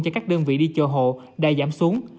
cho các đơn vị đi chờ hộ đã giảm xuống